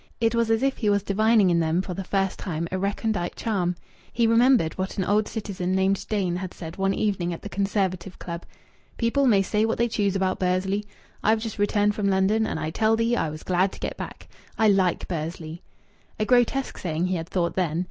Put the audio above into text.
It was as if he was divining in them for the first time a recondite charm. He remembered what an old citizen named Dain had said one evening at the Conservative Club: "People may say what they choose about Bursley. I've just returned from London and I tell thee I was glad to get back. I like Bursley." A grotesque saying, he had thought, then.